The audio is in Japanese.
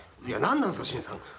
いや何なんですか？